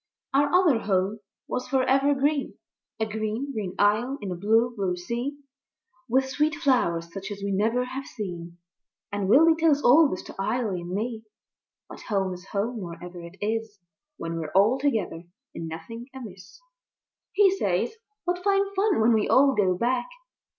Our other Home was for ever green, A green, green isle in a blue, blue sea, With sweet flowers such as we never have seen; And Willy tells all this to Eily and me. But Home is Home wherever it is, When we're all together and nothing amiss. He says, "What fine fun when we all go back!"